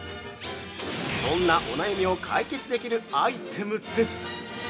そんなお悩みを解決できるアイテムです！